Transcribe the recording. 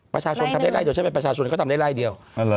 ประชาชนทำได้ไล่เดียวฉันเป็นประชาชนก็ทำได้ไล่เดียว